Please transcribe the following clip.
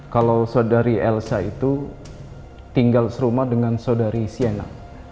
kalau saudari elsa itu tinggal serumah dengan saudari sienna